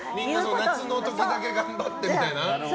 夏の時だけ頑張ってみたいな。